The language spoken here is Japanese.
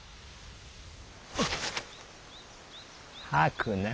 吐くな。